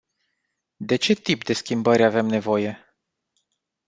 De ce tip de schimbări avem nevoie?